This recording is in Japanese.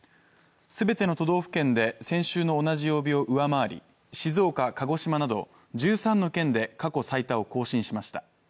全ての都道府県で先週の同じ曜日を上回り、静岡、鹿児島など１３の県で過去最多を更新しました。